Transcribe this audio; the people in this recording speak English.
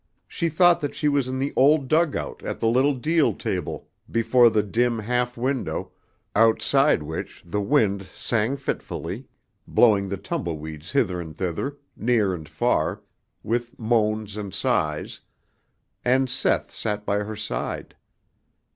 She thought that she was in the old dugout at the little deal table before the dim half window, outside which the wind sang fitfully, blowing the tumbleweeds hither and thither, near and far, with moans and sighs, and Seth sat by her side.